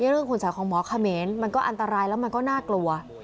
เรื่องคุณสายของหมอเขมรมันก็อันตรายแล้วมันก็น่ากลัว